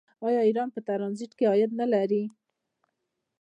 آیا ایران په ټرانزیټ کې عاید نلري؟